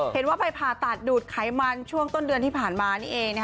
เห็นว่าไปผ่าตัดดูดไขมันช่วงต้นเดือนที่ผ่านมานี่เอง